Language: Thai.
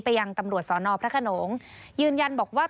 ยังตำรวจสอนอพระขนงยืนยันบอกว่า